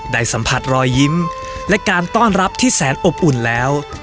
สัมผัสรอยยิ้มและการต้อนรับที่แสนอบอุ่นแล้ว